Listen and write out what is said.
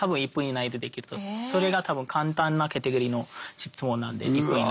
それが多分簡単なカテゴリーの質問なんで１分以内。